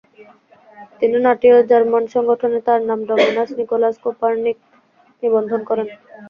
তিনি নাটিও জার্মান সংগঠনে তার নাম ডমিনাস নিকোলাস কোপার্নিক নিবন্ধন করেন।